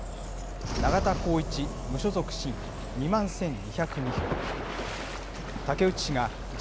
永田浩一、無所属、新２万１２０２票。